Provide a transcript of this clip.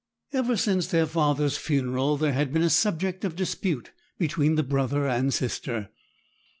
Ever since their father's funeral there had been a subject of dispute between the brother and sister.